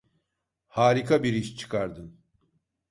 Harika bir iş çıkardın.